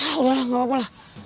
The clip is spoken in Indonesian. ah udah lah gak apa apa lah